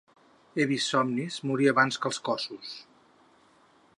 He vist somnis morir abans que els cossos.